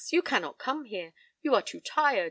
You cannot come here. You are too tired.